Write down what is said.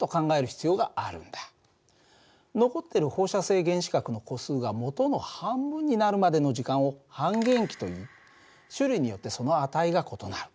残ってる放射性原子核の個数がもとの半分になるまでの時間を半減期といい種類によってその値が異なる。